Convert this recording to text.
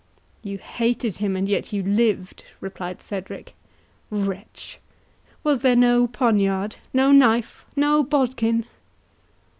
"You hated him, and yet you lived," replied Cedric; "wretch! was there no poniard—no knife—no bodkin!